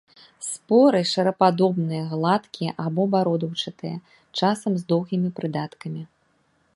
Споры шарападобныя, гладкія або бародаўчатыя, часам з доўгімі прыдаткамі.